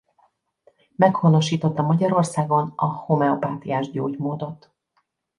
Meghonosította Magyarországon a homeopátiás gyógymódot.